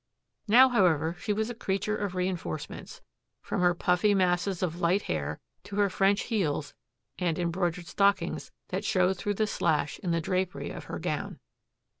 Now, however, she was a creature of reinforcements, from her puffy masses of light hair to her French heels and embroidered stockings that showed through the slash in the drapery of her gown.